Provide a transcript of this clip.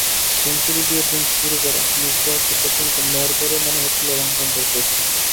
Century নিয়ে দিন শুরু করা মিসবাহকে পর্যন্ত নড়বড়ে মনে হচ্ছিল লঙ্কানদের পেসে।